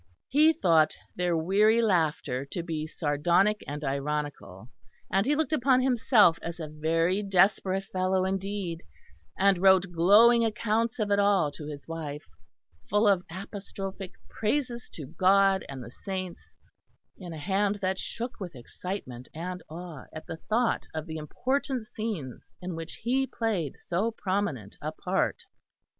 He thought their weary laughter to be sardonic and ironical, and he looked upon himself as a very desperate fellow indeed; and wrote glowing accounts of it all to his wife, full of apostrophic praises to God and the saints, in a hand that shook with excitement and awe at the thought of the important scenes in which he played so prominent a part.